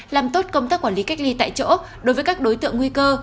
làm tốt công tác quản lý cách ly tại chỗ đối với các đối tượng nguy cơ